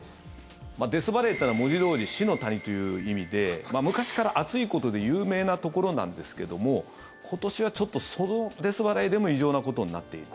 デスバレーというのは文字どおり、死の谷という意味で昔から暑いことで有名なところなんですけども今年はそのデスバレーでも異常なことになっている。